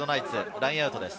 ラインアウトです。